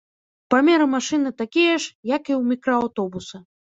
Памеры машыны такія ж, як і ў мікрааўтобуса.